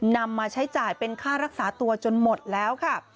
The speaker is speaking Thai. นำมาใช้จ่ายเป็นค่ารักษาตัวจนหมดแล้วค่ะ